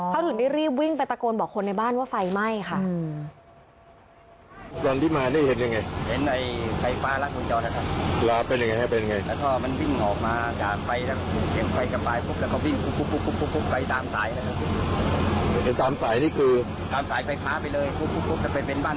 เขาถึงได้รีบวิ่งไปตะโกนบอกคนในบ้านว่าไฟไหม้ค่ะ